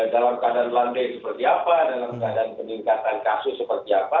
dalam keadaan landai seperti apa dalam keadaan peningkatan kasus seperti apa